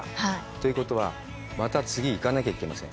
ということは、また次、行かなきゃいけません。